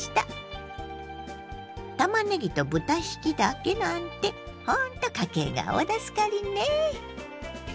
たまねぎと豚ひきだけなんてほんと家計が大助かりね。